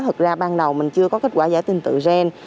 thực ra ban đầu mình chưa có kết quả giải trình tự gen